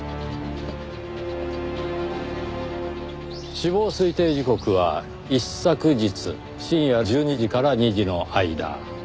死亡推定時刻は一昨日深夜１２時から２時の間。